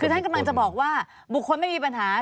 คือท่านกำลังจะบอกว่าบุคคลไม่มีปัญหา